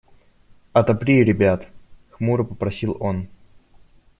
– Отопри ребят, – хмуро попросил он.